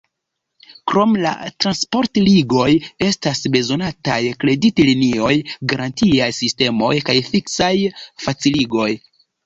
Krom la transportligoj estas bezonataj kreditlinioj, garantiaj sistemoj kaj fiskaj faciligoj.